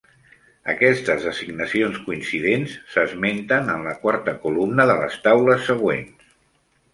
Aquestes designacions coincidents s'esmenten en la quarta columna de les taules següents.